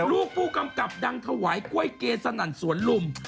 ผู้กำกับดังถวายกล้วยเกสนั่นสวนลุม